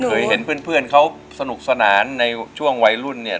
เคยเห็นเพื่อนเขาสนุกสนานในช่วงวัยรุ่นเนี่ย